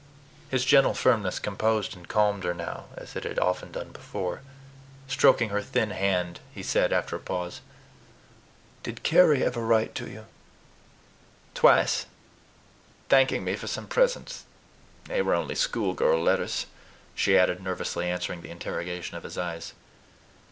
His gentle firmness composed and calmed her now, as it had often done before. Stroking her thin hand, he said, after a pause, "Did Carry ever write to you?" "Twice, thanking me for some presents. They were only schoolgirl letters," she added, nervously answering the interrogation of his eyes.